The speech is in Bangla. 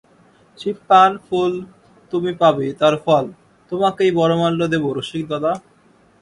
শিব পান ফুল, তুমি পাবে তার ফল– তোমাকেই বরমাল্য দেব রসিকদাদা!